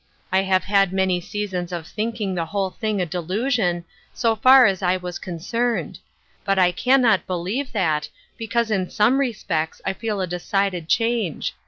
I have had my seasons of think ing the whole thing a delusion, so far as I was concerned ; but I can not believe that, because in some respects I feel a decided change.